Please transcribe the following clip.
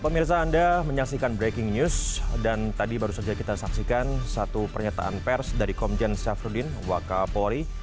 pemirsa anda menyaksikan breaking news dan tadi baru saja kita saksikan satu pernyataan pers dari komjen syafruddin wakapori